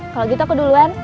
kalau gitu aku duluan